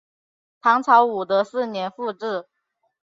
唐朝武德四年复置。